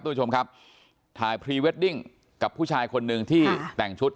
ทุกผู้ชมครับถ่ายพรีเวดดิ้งกับผู้ชายคนหนึ่งที่แต่งชุด